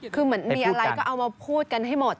คือเหมือนมีอะไรก็เอามาพูดกันให้หมด